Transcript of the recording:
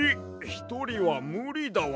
ひとりはむりだわ。